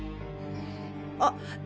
あっ！